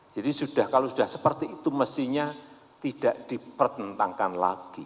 kalau sudah seperti itu mestinya tidak dipertentangkan lagi